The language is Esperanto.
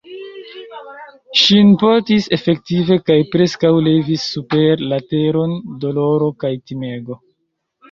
Ŝin portis efektive kaj preskaŭ levis super la teron doloro kaj timego.